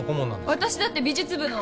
私だって美術部の。